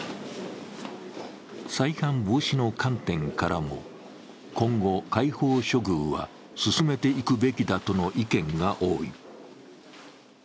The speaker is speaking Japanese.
再犯防止の観点からも今後、開放処遇は進めていくべきだとの意見が多い。